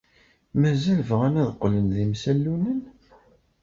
Mazal bɣan ad qqlen d imsallunen?